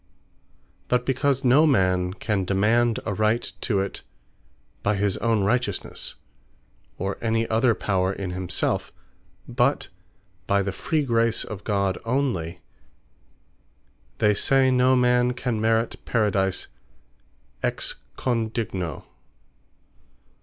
But because no man can demand a right to it, by his own Righteousnesse, or any other power in himselfe, but by the Free Grace of God onely; they say, no man can Merit Paradise Ex Condigno.